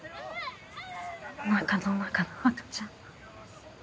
お腹の中の赤ちゃん。